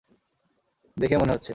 দেখে মনে হচ্ছে।